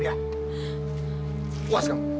ria puas kamu